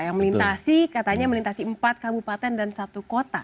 yang melintasi katanya melintasi empat kabupaten dan satu kota